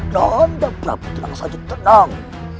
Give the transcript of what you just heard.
nanda prabu telah saja tenang